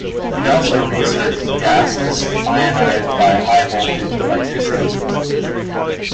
He also researched gases ionized by high-voltage electricity.